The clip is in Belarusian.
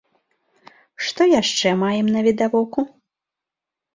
Што яшчэ маем навідавоку?